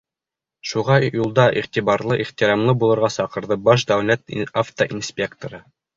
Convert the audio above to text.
Шуға юлда иғтибарлы, ихтирамлы булырға саҡырҙы баш дәүләт автоинспекторы.